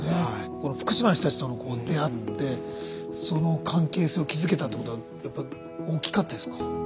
この福島の人たちと出会ってその関係性を築けたってことはやっぱり大きかったですか。